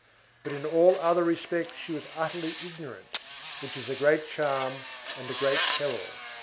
but in all other respects she was utterly ignorant, which is a great charm and a great peril.